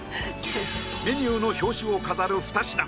メニューの表紙を飾る２品。